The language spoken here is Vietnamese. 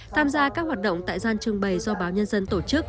tham gia các hoạt động tại gian trưng bày do báo nhân dân tổ chức